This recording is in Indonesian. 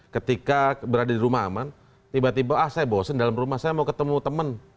ketika berada di rumah aman tiba tiba ah saya bosen dalam rumah saya mau ketemu teman